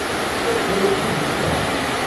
Anda ay tt-id-tufa?